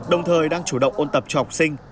đồng thời đang chủ động ôn tập cho học sinh